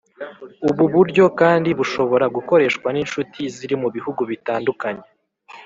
ubu buryo kandi bushobora gukoreshwa n’inshuti ziri mu bihugu bitandukanye